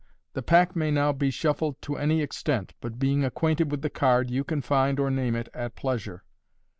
The pack may now MODERN MAGIC. 43 Fig. 28. be shuffled to any extent, but, being acquainted with the card, you can find or name it at pleasure.